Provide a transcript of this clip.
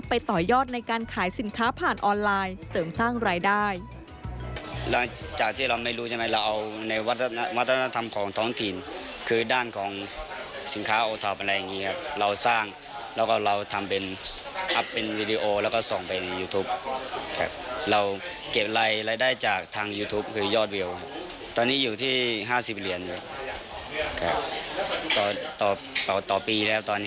ต่อยอดในการขายสินค้าผ่านออนไลน์เสริมสร้างรายได้